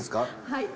はい。